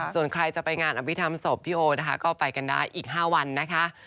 ส่วนใครจะไปงานอภิษฐรรมศพพี่โอนะคะก็ไปกันได้อีก๕วันนะคะ